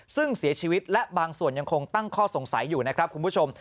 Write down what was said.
ซึ่งเสียชีวิตและบางส่วนยังคงตั้งข้อสงสัยอยู่นะครับคุณผู้ชม